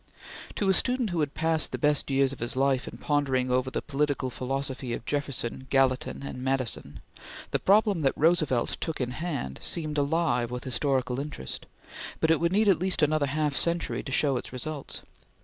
To a student who had passed the best years of his life in pondering over the political philosophy of Jefferson, Gallatin, and Madison, the problem that Roosevelt took in hand seemed alive with historical interest, but it would need at least another half century to show its results.